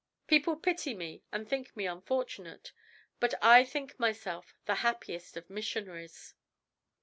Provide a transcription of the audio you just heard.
People pity me and think me unfortunate, but I think myself the happiest of missionaries."